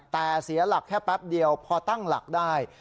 แต่เสียหลักแค่แป๊บเดียวพอตั้งหลักได้